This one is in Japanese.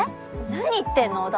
何言ってんの織田。